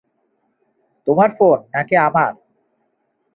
তোমার ফোন নাকি আমার?